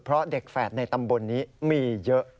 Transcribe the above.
เพราะเด็กแฝดในตำบลนี้มีเยอะ